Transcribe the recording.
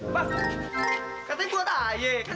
pak katanya buat ayah kan